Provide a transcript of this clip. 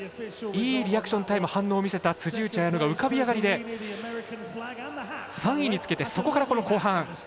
いいリアクションタイム反応を見せた辻内彩野が浮かび上がりで３位につけてそこからこの後半。